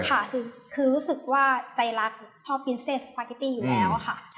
ค่ะคือรู้สึกว่าใจรักชอบกินเส้นสปาเกตตี้อยู่แล้วค่ะ